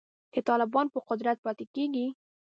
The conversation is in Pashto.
که طالبان په قدرت پاتې کیږي